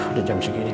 udah jam segini